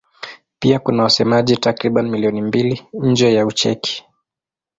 Pia kuna wasemaji takriban milioni mbili nje ya Ucheki.